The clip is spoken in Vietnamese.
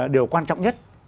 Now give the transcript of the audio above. điều quan trọng nhất